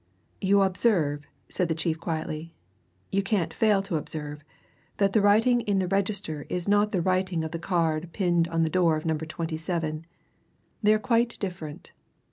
"You observe," said the chief quietly, "you can't fail to observe that the writing in the register, is not the writing of the card pinned on the door of Number 27. They are quite different.